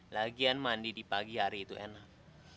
lagian mandi di pagi hari itu enak